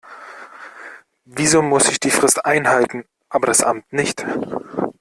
Wieso muss ich die Frist einhalten, aber das Amt nicht.